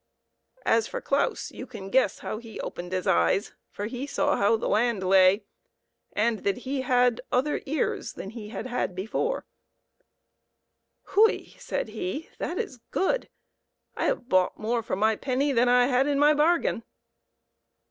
As for Claus, you can guess how he opened his eyes, for he saw how the land lay, and that he had other ears than he had before. CLAUS AND HIS WONDERFUL STAFF. " Hui !" said he, " that is good ! I have bought more for my penny than I had in my bargain."